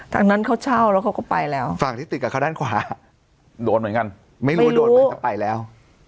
นั้นเขาเช่าแล้วเขาก็ไปแล้วฝั่งที่ติดกับเขาด้านขวาโดนเหมือนกันไม่รู้ว่าโดนไหมจะไปแล้ว